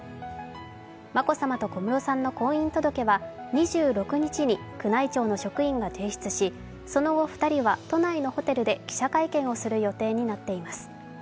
眞子さまと小室さんの婚姻届は２６日に宮内庁の職員が提出し、その後、２人は都内のホテルで記者会見をする予定になっています。